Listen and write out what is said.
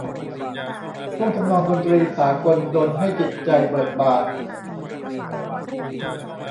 ท่วงทำนองดนตรีสากลดลให้จิตใจเบิกบาน